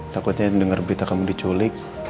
takutnya dengar berita kamu diculik